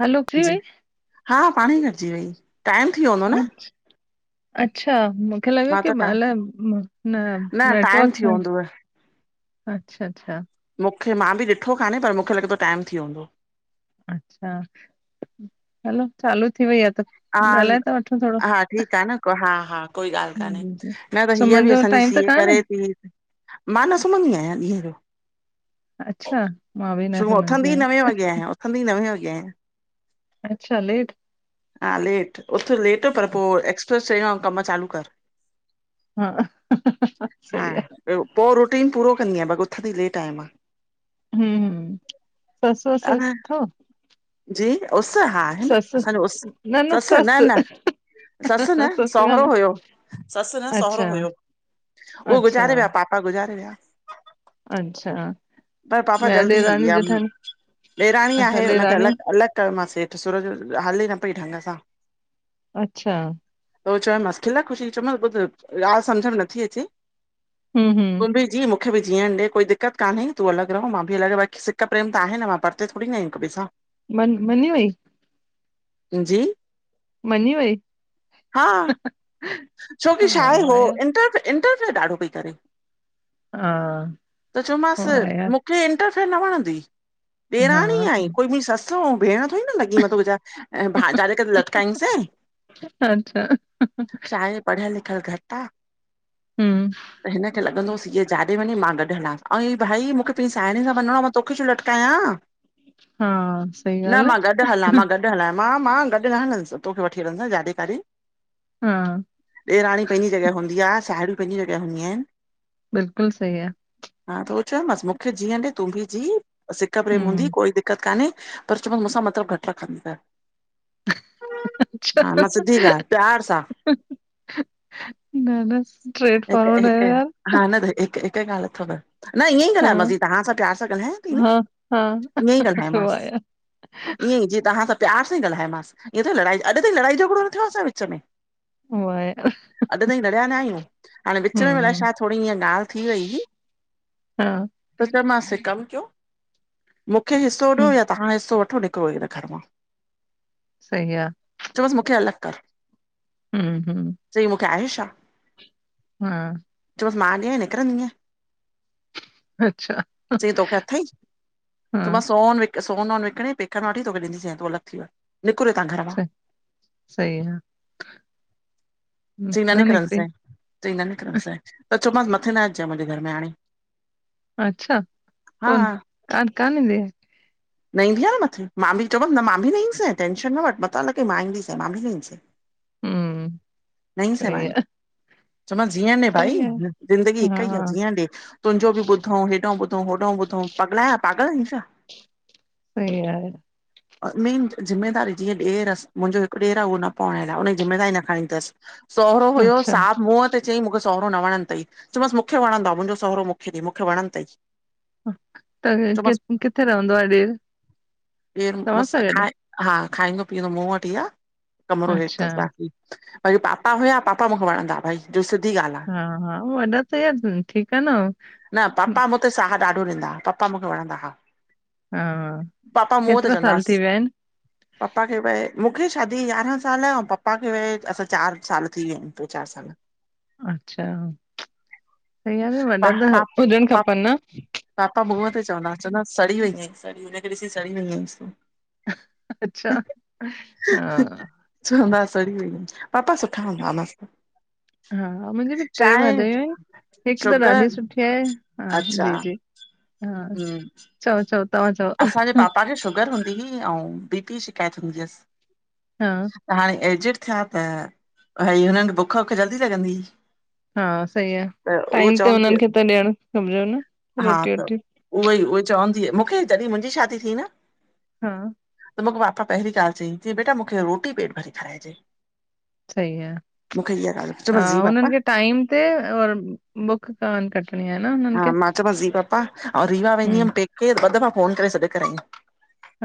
हलो थी जी वई हा पाण ई कटिजी वई टाइम थी वियो हूंदो अ- न अच्छा मूंखे लॻो मां की त टा अलाए न न टाइम थी वियो नेटवर्क। हूंदव अच्छा अच्छा मूंखे मां बि ॾिठो कान्हे पर मूंखे लॻे थो टाइम थी वयो हूंदो। अच्छा, हलो चालू थी वई आहे त हा ॻाल्हाए था वठूं थोरो हा, ठीकु आ न को हा हा कोई ॻाल्हि कान्हे जी जी न त हीअ सुम्हण बि जो असांजी टाइम त सीए कान्हे करे थी। मां न सुमहंदी आहियां ॾींहं जो अच्छा मां बि न [unintelligible] सुम्हंदी उथंदी ही आहियां नवे वगे आयां, उथंदी ही नवे वगे आयां अच्छा लेट हा लेट उठ लेट पर पो एक्सप्रेस ट्रेन वारा कम चालू कर। हा हा सही आहे ॿियो पो रोटीन पूरो [unintelligible] ब उठंदी लेट आया मां हमम सस व स अ अथव? जी उस हा आहे असांजो उस न-न ससु सस न न ससु न सोहरो हुयो ससु न सोहरो अच्छा हुयो उहो अच्छा गुज़ारे विया पापा गुज़ारे विया अच्छा पर पापा ॿिया जल्दी हली ॾेराणी वया मु जेठाणी ॾेराणी अच्छा आहे हुनखे अलॻि ॾेराणियूं अलॻि कयो मां सेठ सुरज हले न पई ढंग सां अच्छा उहो चयोयमांस खिल ख़ुशी चयोमसि ॿु ॻाल्हि सम्झ में नथी अचे हूं हूं तूं बि जी मूंखे बि जीअ ॾे कोई दिक़त कान्हे तूं अलॻि रहो मां बि अलॻि बाक़ सिक प्रेम त आहे न मां परते थोरी न आ हिक ॿिए सां मन मिली वई जी- मनी वई? हा हा छोकी छाहे उहो वाया इंटर इंटर्यफेयर ॾाढो पई करे हा त च्यो मांस वाया मूंखे इंटर न वणंदी हा ॾेराणी आहीं, कोई मुंहिंजी ससु अउं भेण [unintelligible] लॻी तूं मुहिंजा ऐं भा जे करे त लटकाईंस अच्छा पढ़ियल लिखियल घटि आ, हम्म त हिनखे लॻंदोसि हीअ जाॾे वञी मां गॾु हलासि अ भाई मूंखे पंहिंजी साहेडियूनि सां वञणो आ तोखे छ लटकायां, हा सही न ॻाल्हि मां आहे गॾु हलां मां गॾु हलाय मां मां गॾु न हलंदसि तोखे वठी हलंदसि जाॾे काॾे हा ॾेराणी पंहिंजी जॻह हूंदी आ, साहेड़ियूं पंहिंजी जॻहि हूंदयूं आहिनि। बिल्कुलु सही आहे। पिच चयो मास मूंखे जीअण ॾे तूं बि जी, सिक प्रेम हूंदी हम्म कोई दिक़त कान्हे। पर चयो मूंसां मतिलब घटि रखंदी कर अच्छा हा मां सिधी ॻालह प्यार सां। न न स्ट्रेट हिक फॉर्वड हिक आयो यार। हा न त हिक हिक ॻालह अथव न ईअं ई हा ॻाल्हायो मास थी तव्हां सां प्यार सां ॻाल्हायां थी न हा हा ईअं ई ॻालायोमास। वाया ईअं ई जीअं तव्हां सां प्यार सां ही ॻाल्हयोमांसि ईअं त लड़ाई अॼु ताईं लड़ाई झगड़ो न थियो आहे असां विच में। उहो ई अॼु ताईं लड़िया न आहियूं हाणे विच में आलाए हम्म छा थोरी हअ ॻाल्हि थी वई हुई हा पुछियो मास हिक कमु कयो मूंखे हिसो ॾियो हम्म या तव्हां हिसो वठो निकड़ो हिन घर मां। सही आहे चओस मूंखे अलग कर, हम्म चई मूंखे आहे छा छा हुम्म मां ॾियएं निकरंदीय अच्छा च्यइं तोखे अथई, चयो हा मास सोन व सोन वोन विकणे पेकन मा वठी तोखें ॾीडिसे, तूं अलग थी वंञ छॾ सही आ। चईं न निकरण दी सै चईं न निकरण दी सै त चव मांसि मथे न अचजां मुंहिंजे घर में हाणे अच्छा हा कोन हा क कान ईंदी न ईंदी आहे न मथे मां बि चवि मां बि न ईंदी स टेंशन न वठि मता लगे मां ईंदी स मां भी न ईंदी सां हम्म न ईंदी साए मा सही आहे हेठ चयो मास जीअण ॾे भाई सही आहे ज़िंदगी हिकु ई आहे हा जीअंण ॾे तुंहिंजो बि ॿुधो हेदो बुध तूं होॾो बुधयू पगला- पागल आहियूं छा? अरे यार मेन ज़िमेदारी जीअं ॾेर मुंहिंजो हिकु ॾेर आ ऊहो न पणणायल हुनजी ज़िमेदारी न खणनी तस। सोहरो हुयो अच्छा साफ मूंह ते चयई मूंखे सोहरो न वणन तई। चयोमास मूंखे वणंदो आ, मुंहिंजो सोहरोे मूंखे दे मूंखे वणदो तई। त किथे रहंदो आहे डेर। डेर मूसां खाए [unintelligible] हा खाईंदो पीअंदो मूं वठहि आ। कमरो हेठ अच्छा तस बाकी, [unintelligible] पापा हुया पापा मूंखे वणंदा भई। जो सिधी गाल्ह आ हा हा वॾा त यार ठीकु आहे न न पापा मुते साह ॾाढो ॾींदा हा, पपा मूंखे वणंदा हा। हां पापा मूंहं त चवंदास्। पापा खे वये मूंखे- - शादिय खें यारहां साल ऐं पप्पा खे वये असां चारि साल थी विया आहिन ट्रे चारि साल। अच्छा। [unintelligible] वॾन पा जा पा हुजण पा खपन न? पापा मूंहं ते चवंदा हुआस चवंदा हुआसि सड़ी वई आही सड़ी, हुनखे ॾिसी सड़ी वई आहिस्। [inaudible] अच्छा हा। चवंदा हुआ सड़ी वयी आहि, पापा सुठा हूंदाहा मस्त। हा--मुंहिंजी बि ट्रे चांहि भाडायूं आहिन। हिकु त शुगर ॾाढी सुठी आहे, हा अच्छा जी जी हा हम्म चओ चओ। तव्हां चओ असांजे पापा खे शुगर हूंदीहि, आऊं बी पी जी शिकायत हूंदी हुयस। हा त हाणे एजेट् थया, त् भई हुननि खे बुख वुख़ जल्दी लॻंदी हुई। हा सही आ, त उहो टाइम ते चवंदी हुनन खे त ॾियण [unintelligible] न। हा रोटी त् वोटी उहोई-उहोई चवंदीय मूंखे, जॾहिं मुंहिंजी शादी थी न। हां। त् मूंखे पापा पहिरीं ॻाल्हि चईं। चई बेटा मूंखे रोटी पेट भरे खारायेजे। सही आ। हा चयोमांसि जी हुनन पापा खे टाइम ते, और बुख़ कान कटणी आ न, हुनन हा खे। मां चयोमास जी पपा, और रीवा वेंदी हुयम हम्म पेके ॿ दफ़ा फ़ोन करे सॾु कराई। [unintelligible]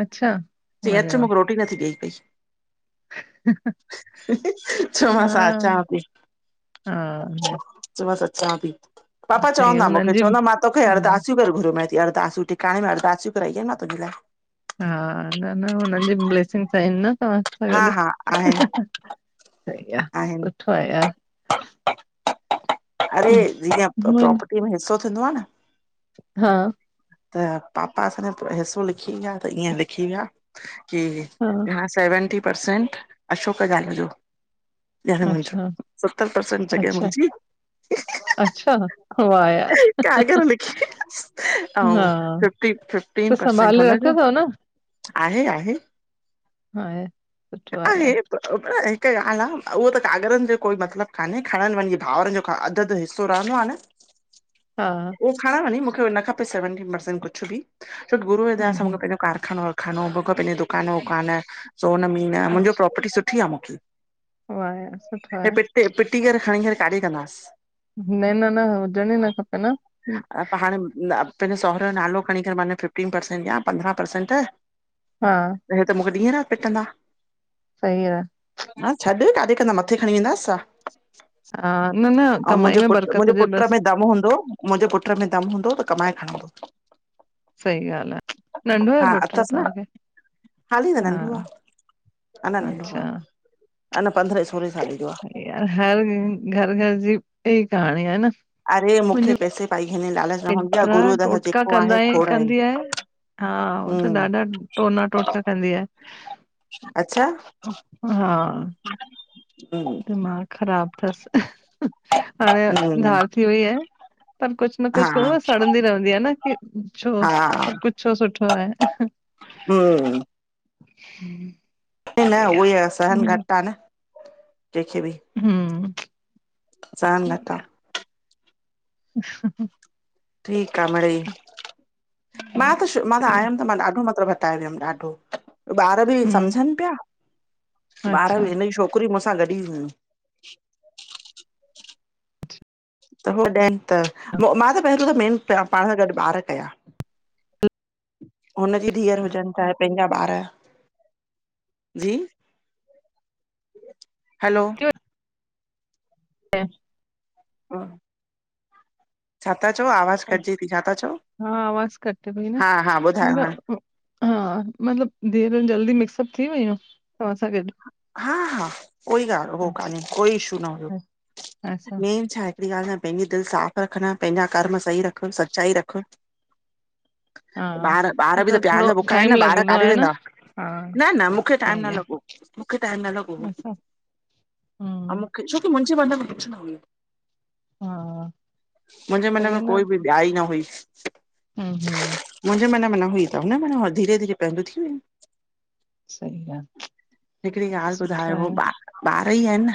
अच्छा, चयी अरे अच वाह! मूंखे रोटी नथी देई पई। चोमास हा अचा ती। हाँ। [unintelligible] [inaudible] पापा चवंदा मूंखे, चवंदा मां तोखे हा अरदासूं करे घुर्यो में ती अरदासूं, टीकाडे में अरदास। [inaudible] हा न-न हुनन जी ब्लेसिंग्स आहिन न तव्हां सां लाइ हा गॾु। हा आहिनि सही आहिनि आ--सुठो आहे यार। अरे जीअं प्रोपर्टी में हिसो थींदो आ न। हा। त् पापा असांजा हिस्सो लिखी विया त् ईअं लिखी विया- - [unintelligible] हा यहा सेवेंटी परसेंट अशोक जाल जो। अच्छा [unintelligible] सतर परसेंट जॻह अच्छा मुंहिंजी। [inaudible] अच्छा वाह यार, कागर लिखी हा। ऐं फिफ्टी फिफ्टीन त् परसेंट संभाले रखयो हुनजो तव न। आहे आहे। हा [unintelligible] [inaudible] आहे यार हिकु ॻाल्हि आहे, उहो त कागरनि जो कोई मतिलबु कान्हे, खणन वञी भाउरनि जो अध अध हिसो रहंदो आ न। हा उहो खणन वञी, मूंखे न खपे सेवेंटी परसेंट कुझु बि। [unintelligible] गुरुअ जी दया हम्म सां मूंखे हम्म पंहिंजो कारखानो [unintelligible] पंहिंजो दुकान वुकान - सोन मीन मुंहिंजो अच्छा प्रोपर्टी सुठी आहे मूंखे। वाह यार सुठो हे आहे। पिटी पिटी करे खणी करे काॾे कंदास न न न हुजण ई न खपे न अ हाणे पंहिंजो सहुरे जो नालो खणी करे माना- - फिफ्टी परसेंट या पंद्रहं पर्सेंट त हा हे त मूंखे हिय ता ॾींहं रात पिटन्दा। सही आहे। हा छॾ काडे कंदम, मथे खणी वेंदासां। [unintelligible] अऊ कमाई मुंहिंजे में पुट्र बरकत मुंहिंजे हुजे पुट्र बस में दमु हूंदो मुंहिंजे पुट्र में दमु हूंदो त कमाए खणंदो। सही ॻाल्हि आहे नंढो आहे हा पुट्र अथसि न तव्हांखे हा- अन्ना नंढो आह। अच्छा सही [unintelligible] हर घर घर जी ईयं कहाणी आहे न? अरे मूंखे मुंहिंजी पैसे पाई [unintelligible] लालच रहंदी आहे एतिरा गुरूअ द टोटका जेको कंदा आहे खोड़ आहे। कंदी हा होत हम्म ॾाढा टोना टोटका कंदी आहे। अच्छा [unintelligible] हा हम्म दिमाग़ ख़राब तस हाणे हम्म धार थी वई आहे। पर कुझु न हा कुझु [unintelligible] सड़दी रहंदी आह कि - छो हा सभु कुझु छो सुठो आहे हम्म [unintelligible] [unintelligible] न सही आ ऊहो हिा सहन मुंहिंजो घट आह न - जेखे बि- हम्म सहन सही घट आ आह- [unintelligible] ठीकु आह मिडई मां त मां त सही आ आयम त मां ॾाढो मतिलबु- [unintelligible] ॾाढो ॿार बि हम्म सम्झन पिया ॿार अच्छा बि हिनजी छोकिरी मुस- [unintelligible] गॾु ई हुयूं- त हो ॾैनि त मां त पहिरियों त मेन पाण सां गॾु ॿार कया - हुनजी धीअर हुजनि चाहे पंहिंजा ॿार- जी हैलो [unintelligible] [unintelligible] छा था चओ आवाज़ कटजे थी छाता - हा आवाज़ कट भई न ॿुधायो हाणे [unintelligible] हा मतलब धियर जल्दी मिक्सअप थी वियूं? हा हा कोई [unintelligible] हो अच्छा कानहे कोई इशू न हुयो। अच्छा मेन छाा- हिकड़ी ॻाल्हि सां पंहिंजी दिलि साफ़ु रखणु, पंहिंजा कर्म सही रख, सच्चाई रख। हा ॿार न ॿार बि त प्यार थोरो जा बुखा आहिनि टाइम न ॿार लॻंदो काॾे आहे न वेंदा हा न न मूंखे टाइम सही न आ लॻो। मूंखे टाइम न लॻो हो अच्छा ऐं हम्म मूंखे छोकी मुंहिंजे मन में कुझु न हुयो। हा मुंहिंजे मन सही में आ न कोई बियाहि न हुई। [unintelligible] [unintelligible] माना धीरे धीरे पहिंजी थी वियो। सही आ। हिकिड़ी ॻाल्हि सुठो ॿुधायो आहे ॿार [unintelligible] ई आहिनि न?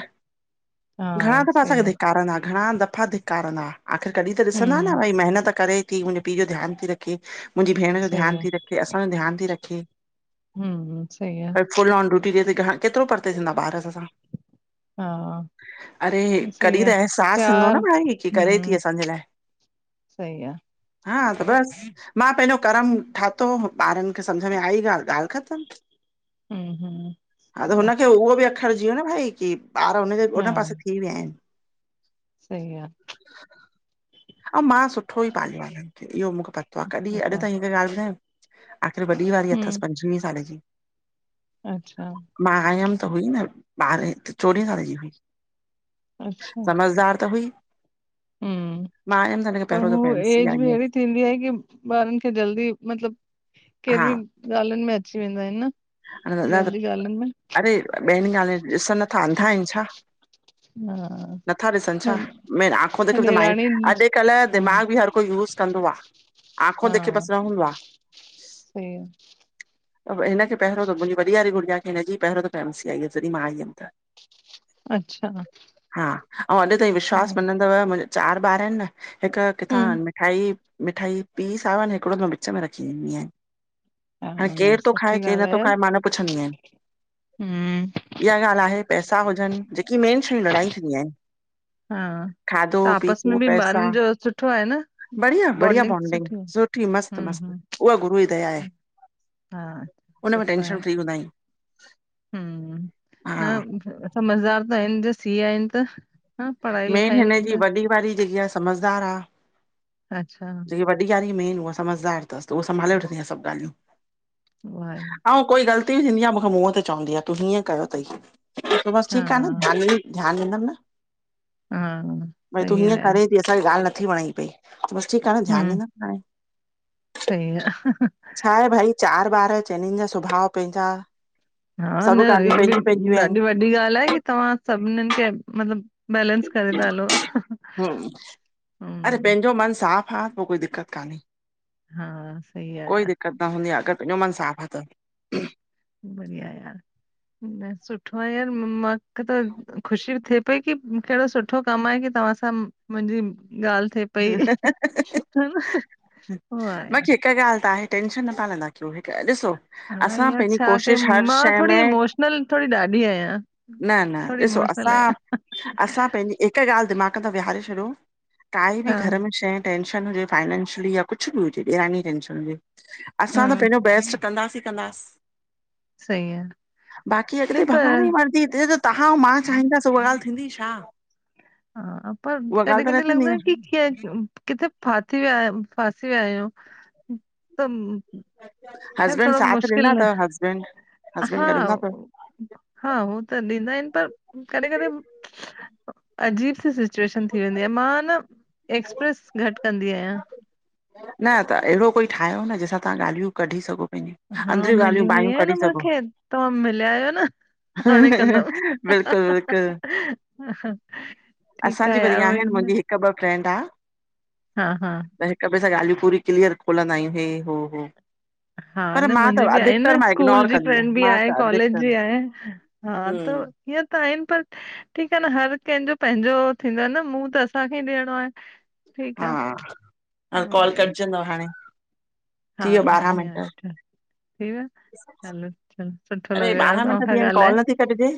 घणा हाँ दफ़ा सही असांखे है धिकारींदा घणा दफ़ा धिकारींदा। आख़िर कॾहिं त ॾिसंदा न हम्म भई महिनत करे थी मुंहिंजे पीउ जो ध्यानु ती रखे- मुंहिंजी भेण जो सही ध्यानु है थी रखे, त असांजो ध्यानु थी रखे- हम्म सही है रोटी [unintelligible] घणा केतिरो परते थींदा ॿार अस सां- हा अरे कॾहिं त अहसास थींदो न भाई की करे ती हम्म असांजे लाए। सही आ। हा त बस मां पंहिंजो कर्म ठातो ॿारनि खे सम्झ में आई ॻाल्हि ॻाल्हि ख़तम- हम्म हम्म हा सही त है हुनखे उहो बि अखरजी वियो न भाई की- ॿार हुननजे हुन पासे हाँ थी विया आहिनि- सही आ। अं मां सुठो ई पालियो आ हिन्न खे। इहो मूंखे पतो आहे। कॾहिं ऐसा अॼु ताईं हिक ॻाल्ह बुधायांव। आखिर वॾी वारी अथस हम्म पंझवीयं साले जी। अच्छा मां आयमि त हुई न ॿारहें चोॾहें साल जी हुई। समझदार त हुई। हूं। मां आयमि त हिनखे पर पहिरियों दफ़ो हू एम सी एज आई बि एढ़ी हुयसि थींदी आहे की ॿारन खे जल्दी मतलब केजी बि ॻाल्हियुनि में अची वेंदा आहिनि न। े न ॿियनि जी ॻाल्हियुनि में अरे ॿेन ॻाल्हिन मे ॾिसन नथा अंधा आहिन छा? हा नथा ॾिसन छा? न मेन आखो देखी ॾेराणी अॼकल्ह हा दिमाग़ बि हर कोई। यूज़ कंदो आ। आखो देखी हा बस न हूंदो आ। सही आ। हिनखे पहिरों दफो मुंहिंजी वॾी वारी गुड़िया खे हिनजी पहिरो दफो ऐम सी आई आ। जॾहिं मां आई हुयम त। अच्छा। अंऊ अॼु ताईं विश्वास हम्म मनंदव मुंहिंजा चार ॿार आहिन न हिक किथां हम्म, मिठाई। मिठाई पीस आयो आ न हिकड़ो मां विच में रखी वेन्दी आहया। हा हाणे न केर थो खाए सुठी केर ॻाल्हि न।। आहे तोखा मां हे न पुछंदी आहियां। हम्म इहा गाल्ह आहे पैसा हुजन। जेकी मेन शयूं लड़ायूं दीन्दियूं आहिंन। हा खादो, त आपस में पीतो, बि पैसा ॿारनि जो सुठो आहे न बढ़िया। बढ़िया बॉन्डिंग बॉंडिंग आहे सुठी मस्त हम्म मस्त। हम्म उहा गुरू जी दया आहे। हा। उन में सुठो आहे टेंशन फ्री हूंदा आहियूं। हम्म, हा त समझदार त सीए आहिनि त। [unintelligible] पढ़ाई मेन लिखाई हिनजी में वॾी वारी जेकी आह समझदार आ। अच्छा जेकी वॾी वारी मेन उहा समझदार तस। त उह संभाले वठंदी आह सभ ॻाल्हियूं। उहा आहे अऊं कोई ग़लती बि थींदी आहे। मूंखे मुंह ते चवंदी आहे तूं हीअं कयो तयी। त बस ठीक आहे ना हा ध्यान ॾींदम न। हा भई तूं सही हीअं आहे यार करेंती असांखे ॻाल्ह नथी वणे पई। ठीक आ न ध्यान हम्म ड़ींदम न हाणे। सही आहे छा ऐ भाई चार।। ॿार चइनिन जा सुभा पंहिंजा। हा न सभु ॻाल्हियूं हे बि पंहिंजी पंहिंजियूं आहिनि। ॾाढी वॾी ॻाल्ह आहे। की तव्हां सभनिन्नन खे मतलब।। बैलेंस करे ता हलो। हम्म हा पो कोई दिक्कत कान्हे। हा सही आहे कोई यार दिक्कत न हूंदी आ अगर पहिंजो मन साफ़ आहे। त। [inaudible] बढ़िया यार। सुठो आहे यार। मांखे त ख़ुशी थे।। की केहड़ो सुठो कम आहे की तव्हां सां मुंहिंजी।। ॻाल्ह थे पई। वाह यार बाक़ी हिक ॻाल्ह त आहे। टेंशन त तां नथा कयो ॾिसो। हा असां हिंअर पंहिंजी छा कयूं? कोशिश हर मां शइ थोरी में इमोशनल थोरी ॾाढी आहियां न न थोरी।। ॾिसो ईमोशनल असां आहंयां। असां पंहिंजी हिक ॻाल्ह दिमाग़ में विहारे छॾियो। काई बि हा घर में शऐ ठए।। टेंशन हुजे। फाईंनैंशली या कुछ भी हुजे डेराणी जी टेंशन हुजे। हा असां ता पेहेंजो बेस्ट।। कंदासीं कंदासीं सही आहे बाक़ी नहीं अॻिते पर भॻवान जी मर्ज़ी थिए। तव्हां ऐं मां चाहींदसि उहा ॻाल्हि थींदी छा? हा पर उहा कॾहिं कॾहिं ॻाल्हि त न ईंए थींदी लॻंदो न आहे त किथे फासी विया आहियूं। किथे आहियो खेर हसबैंड थोड़ो साथ ॾिना मुश्किल।। अथव हसबैंड हा, हसबैंड गॾु हूंदा अथव। हा हो त ॾींदा आहिंन। पर कॾहिं - कॾहिं अजीब सी सिचुएशन थी वेंदी आहे। मां न।। एक्सप्रेस घट कंदी आहियां। न अदा अहिड़ो कोई ठाहियो न जंहिंसां तव्हां ॻाल्हियूं कढी सघो। पंहिंजी हा अंदरियूं मिली ॻाल्हियूं वई बाहियूं आहियां न कढी मां, सघो। तव्हां मिलिया आहियो न। हाणे कंदम बिल्कुलु बिल्कुलु असांजी वरी आहिनि मुंहिंजी हिकु ॿ फ्रेंंड आ हा-हा स ॻाल्हियूं पूरी क्लीअर खोलंदा आहियूं हे हो हो। हा पर न मां त मुंहिंजी बि आहे अधिकतर न मां स्कूल इग्नोर जी कंदी फ्रेंड आहियां बि मां आहे त कॉलेज अधिकतर जी आहे। हा त हम्म इअ त आहिनि पर ठीकु आहे न हर कंहिंजो पंहिंजो थींदो आहे न मुंह त असांखे ई ॾियणो आहे। ठीकु हा कॉल आहे कटजन्दव हाणे। हा थी वियो ॿारहां मिंट। आहिनि सुठो लॻो अरे ॿारहं मिंट तव्हां थी खां विया आहिनि ॻाल्हाए। कॉल नथी कटिजे